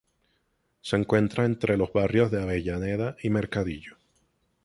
Se encuentra entre los barrios de Avellaneda y Mercadillo.